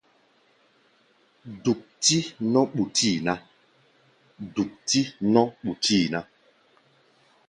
Duk-tí nɔ́ ɓuti ná.